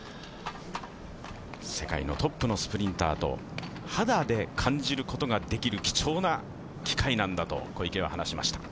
世界のトップのスプリンターと肌で感じることができる貴重な機会なんだと小池は話しました。